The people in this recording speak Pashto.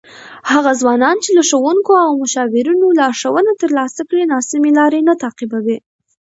هغه ځوانان چې له ښوونکو او مشاورینو لارښوونه ترلاسه کړي، ناسمې لارې نه تعقیبوي.